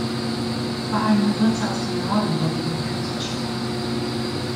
Vor allem Gewürze aus dem Norden wurden von hier aus verschifft.